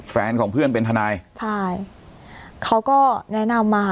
แฟนของเพื่อนเป็นทนายใช่เขาก็แนะนำมา